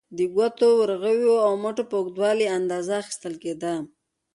د ګوتو، ورغوي او مټو په اوږدوالي یې اندازه اخیستل کېده.